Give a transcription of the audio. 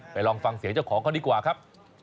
ลองฟังเสียงเจ้าของเขาดีกว่าครับ